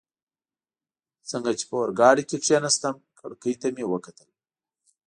څنګه چي په اورګاډي کي کښېناستم، کړکۍ ته مې وکتل.